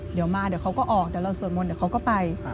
เดี๋ยวมาเดี๋ยวเขาก็ออกเดี๋ยวเราสวดมนต์เดี๋ยวเขาก็ไป